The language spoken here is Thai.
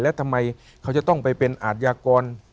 แล้วทำไมเขาจะต้องไปเป็นอาทยากร